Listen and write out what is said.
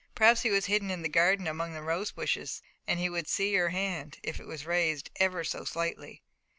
Perhaps he was hidden in the garden among the rose bushes, and he would see her hand, if it was raised ever so slightly.